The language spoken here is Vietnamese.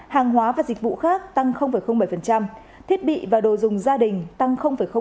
hàng hóa và dịch vụ khác tăng bảy thiết bị và đồ dùng gia đình tăng ba